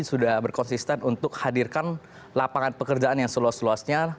sudah berkonsisten untuk hadirkan lapangan pekerjaan yang seluas luasnya